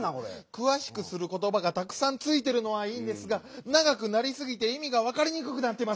「くわしくすることば」がたくさんついてるのはいいんですがながくなりすぎていみがわかりにくくなってます。